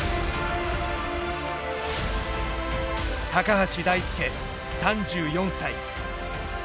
橋大輔３４歳。